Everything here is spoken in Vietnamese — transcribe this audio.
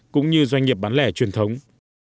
cũng như doanh nghiệp bán lẻ truyền thống